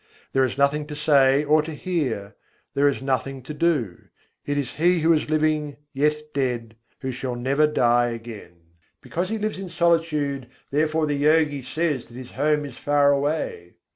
There is nothing to say or to hear, there is nothing to do: it is he who is living, yet dead, who shall never die again. Because he lives in solitude, therefore the Yogi says that his home is far away.